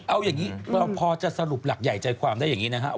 เอาอย่างนี้เราพอจะสรุปหลักใหญ่ใจความได้อย่างนี้นะครับ